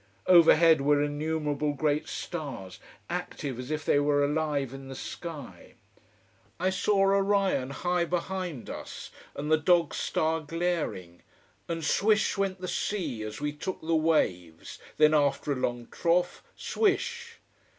Overhead were innumerable great stars active as if they were alive in the sky. I saw Orion high behind us, and the dog star glaring. And swish! went the sea as we took the waves, then after a long trough, _swish!